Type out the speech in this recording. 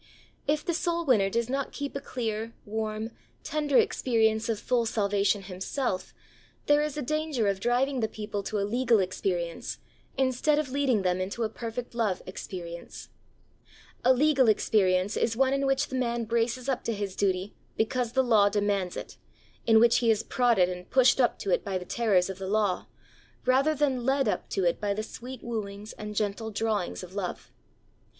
If the soul winner does not keep a clear, warm, tender experience of full salvation himself, there is a danger of driving the people to a legal experience instead of lead ing them into a "perfect love" experience. 114 THE soul winner's SECRET. A legal experience is one in which the man braces up to his duty because the law demands it, m which he is prodded and pushed up to it by the terrors of the law rather than led up to it by the sweet wooings and gentle drawings of love.